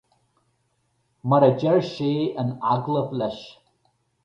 Mar a deir sé in agallamh leis.